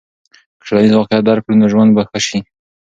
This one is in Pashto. که ټولنیز واقعیت درک کړو نو ژوند به ښه سي.